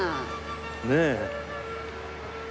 ねえ。